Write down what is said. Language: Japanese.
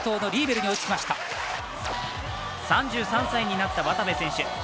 ３３歳になった渡部選手。